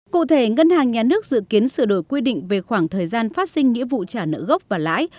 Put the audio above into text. cụ thể ngân hàng nhà nước dự kiến sửa đổi quy định về khoảng thời gian phát sinh nghĩa vụ trả nợ gốc và lãi